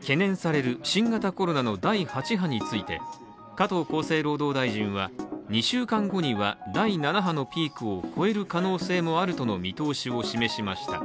懸念される新型コロナの第８波について、加藤厚生労働大臣は２週間後には第７波のピークを超える可能性があるとの見通しを示しました。